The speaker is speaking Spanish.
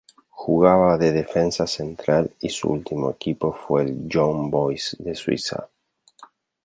Jugaba de defensa central y su último equipo fue el Young Boys de Suiza.